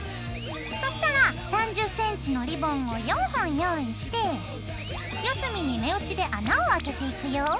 そしたら３０ｃｍのリボンを４本用意して４隅に目打ちで穴を開けていくよ。